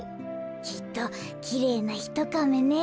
きっときれいなひとカメね。